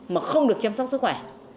mà không được chăm sóc sức khỏe